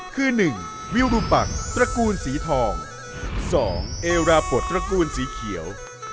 คือ๑มิวรุมปักตระกูลสีทอง๒เอราปลดตระกูลสีเขียว